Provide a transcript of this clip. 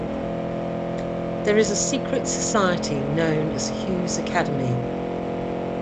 There is a secret society known as Hughes Academy.